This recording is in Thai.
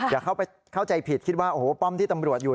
อย่าเข้าใจผิดคิดว่าโอ้โหป้อมที่ตำรวจอยู่